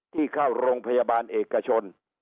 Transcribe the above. ที่เข้าโรงพยาบาลเอกชน